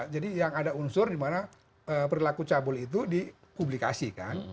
jadi yang ada unsur di mana berlaku cabul itu di publikasi kan